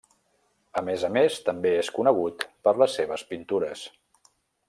A més a més, també és conegut per les seves pintures.